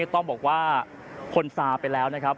ต้องบอกว่าคนซาไปแล้วนะครับ